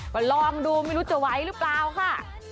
ก็ลองดูไม่รู้จะไหวหรือเปล่าค่ะ